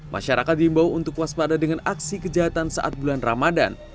masyarakat diimbau untuk waspada dengan aksi kejahatan saat bulan ramadan